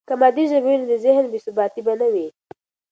که مادي ژبه وي، نو د ذهن بې ثباتي به نه وي.